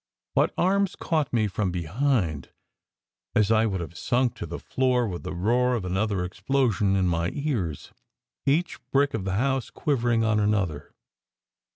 But arms caught me from behind, as I would have sunk to the floor with the roar of another explosion in my ears, each brick of the house quivering on another.